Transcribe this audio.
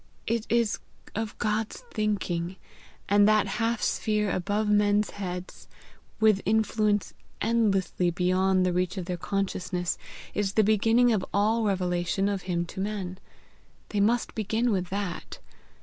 It is of God's thinking; and that half sphere above men's heads, with influence endlessly beyond the reach of their consciousness, is the beginning of all revelation of him to men. They must begin with that.